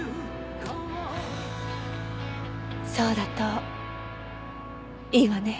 そうだといいわね。